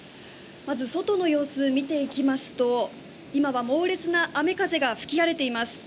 先ず外の様子見ていきますと今は猛烈な雨風が吹き荒れています。